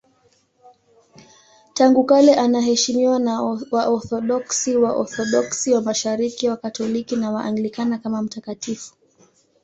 Tangu kale anaheshimiwa na Waorthodoksi, Waorthodoksi wa Mashariki, Wakatoliki na Waanglikana kama mtakatifu.